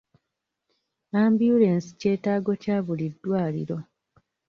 Ambyulensi kyetaago kya buli ddwaliro.